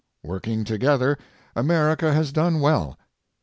Working together, America has done well.